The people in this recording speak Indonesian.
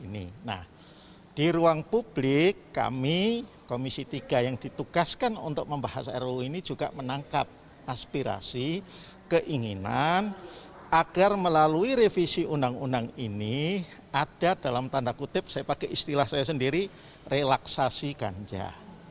nah di ruang publik kami komisi tiga yang ditugaskan untuk membahas ruu ini juga menangkap aspirasi keinginan agar melalui revisi undang undang ini ada dalam tanda kutip saya pakai istilah saya sendiri relaksasi ganja